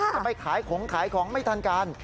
จะไปขายของไม่ทันการ